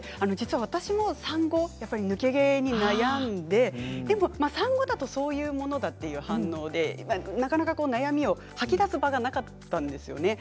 実は私も産後に抜け毛に悩んで産後だとそういうものだという反応でなかなか悩みを吐き出す場がなかったんですよね。